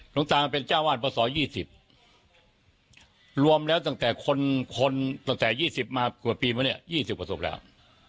หลวงตาเป็นเจ้าอาหารประสงค์ยี่สิบรวมแล้วตั้งแต่คนคนตั้งแต่ยี่สิบมากกว่าปีมาเนี่ยยี่สิบประสงค์แล้ว